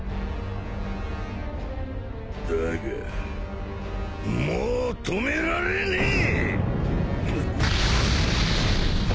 だがもう止められねえ！